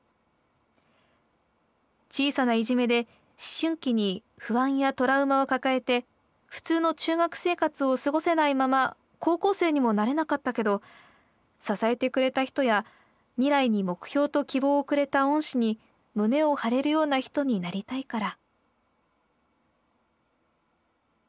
小さないじめで思春期に不安やトラウマを抱えて普通の中学生活を過ごせないまま高校生にもなれなかったけど支えてくれた人や未来に目標と希望をくれた恩師に胸を張れるような人になりたいから」。